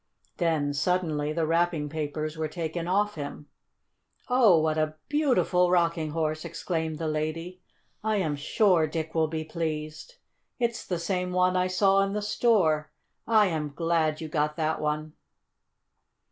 Then, suddenly, the wrapping papers were taken off him. "Oh, what a beautiful Rocking Horse!" exclaimed the lady. "I am sure Dick will be pleased. It's the same one I saw in the store. I am glad you got that one!"